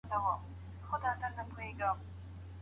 د فراغت سند په غلطه توګه نه تشریح کیږي.